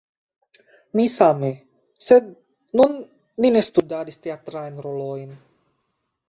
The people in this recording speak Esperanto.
Mi same, sed nun ni ne studadis teatrajn rolojn.